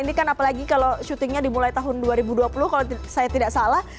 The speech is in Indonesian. ini kan apalagi kalau syutingnya dimulai tahun dua ribu dua puluh kalau saya tidak salah